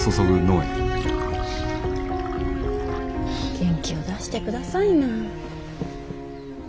元気を出してくださいな。